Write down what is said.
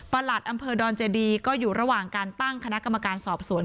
หลัดอำเภอดอนเจดีก็อยู่ระหว่างการตั้งคณะกรรมการสอบสวน